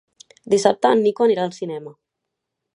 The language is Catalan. Dissabte en Nico anirà al cinema.